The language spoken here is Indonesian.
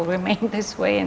semoga itu tetap seperti ini